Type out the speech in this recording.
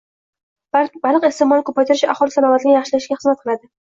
Baliq iste’molini ko‘paytirish aholi salomatligini yaxshilashga xizmat qilading